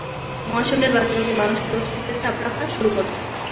মহাশূন্যের বাঁকে বাঁকে মানুষ তার অস্তিত্বের ছাপ রাখা শুরু করবে!